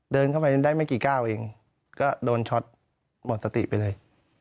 เดินเข้าไปได้ไม่กี่ก้าวเองก็โดนช็อตหมดสติไปเลย